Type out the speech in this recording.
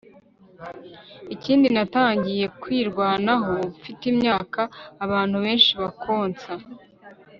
ikindi. natangiye kwirwanaho mfite imyaka abantu benshi bakonsa